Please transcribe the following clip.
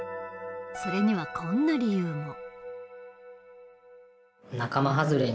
それにはこんな理由も。